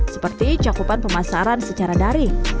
seperti cakupan pemasaran secara daring